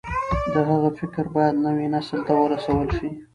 د هغه فکر بايد نوي نسل ته ورسول شي.